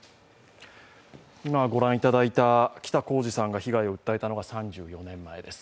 今、ご覧いただいた北公次さんが被害を訴えたのが３５年前です。